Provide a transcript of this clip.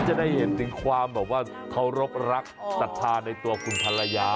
ก็จะได้เห็นจริงความเคารพรักสัตว์ภาในตัวคุณภรรยา